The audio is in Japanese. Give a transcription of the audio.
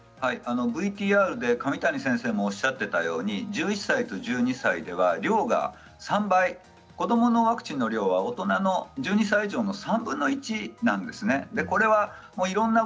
ＶＴＲで紙谷先生もおっしゃっていたように１１歳と１２歳では量が３倍子どものワクチンは１２歳以上大人の３分の１なんですね。